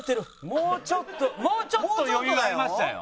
もうちょっともうちょっと余裕ありましたよ。